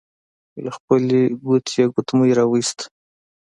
له خپلې ګوتې يې ګوتمۍ را وايسته.